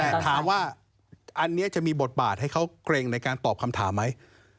แต่ถามว่าอันนี้จะมีบทบาทให้เขาเกรงในการตอบคำถามไหม